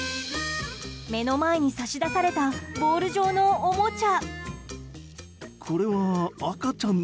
目の前に差し出されたボール状のおもちゃ。